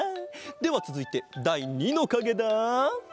ではつづいてだい２のかげだ。